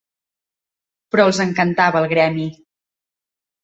Però els encantava el Gremi.